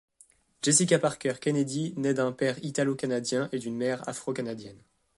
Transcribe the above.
Jessica Parker Kennedy naît d’un père italo-canadien et d’une mère afro-canadienne.